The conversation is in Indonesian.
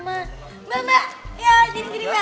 mama ya jadi jadi